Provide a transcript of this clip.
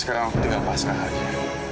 sekarang aku tinggal pasrah aja